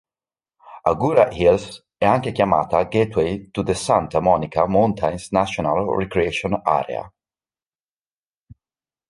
Agoura Hills è anche chiamata "Gateway to the Santa Monica Mountains National Recreation Area".